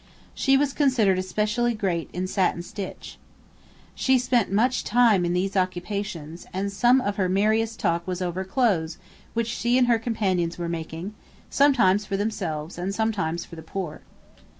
She was considered especially great in satin stitch. She spent much time in these occupations, and some of her merriest talk was over clothes which she and her companions were making, sometimes for themselves, and sometimes for the poor.